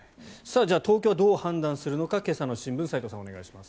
東京はどう判断するのか今朝の新聞斎藤さん、お願いします。